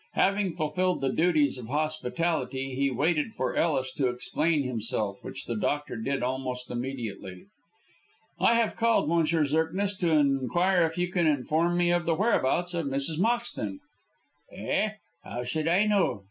Having fulfilled the duties of hospitality, he waited for Ellis to explain himself, which the doctor did almost immediately. "I have called, M. Zirknitz, to inquire if you can inform me of the whereabouts of Mrs. Moxton?" "Eh? How should I know?